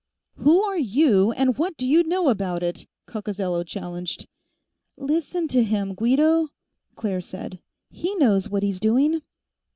"Who are you and what do you know about it?" Coccozello challenged. "Listen to him, Guido," Claire said. "He knows what he's doing."